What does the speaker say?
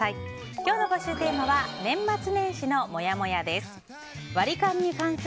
今日の募集テーマは年末年始のモヤモヤです。